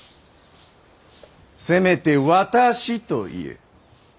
せめて私と言え。